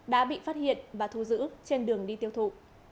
đã bị phát hiện và thu giữ trên đường đi tiêu thụ